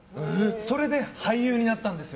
それで俳優になったんですよ。